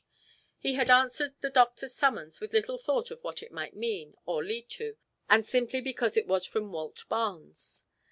He had answered the doctor's summons with little thought of what it might mean, or lead to, and simply because it was from "Walt." Barnes.